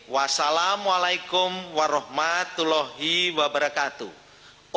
wassalamualaikum warahmatullahi wabarakatuh